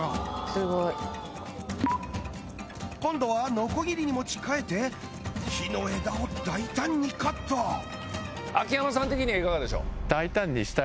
すごい今度はノコギリに持ち替えて木の枝を大胆にカット秋山さん的にはいかがでしょう？